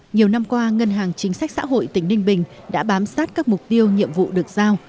nhiều năm qua ngân hàng chính sách xã hội tỉnh ninh bình đã bám sát các mục tiêu nhiệm vụ được giao